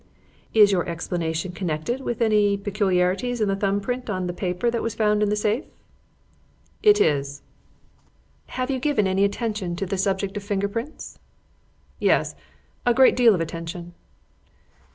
"Is your explanation connected with any peculiarities in the thumb print on the paper that was found in the safe?" "It is." "Have you given any attention to the subject of finger prints?" "Yes. A great deal of attention."